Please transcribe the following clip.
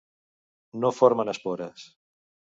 No formen espores.